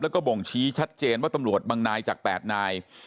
แล้วก็บ่งชี้ชัดเจนว่าตำรวจบางนายจาก๘นาย